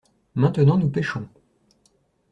Maintenant nous pêchons.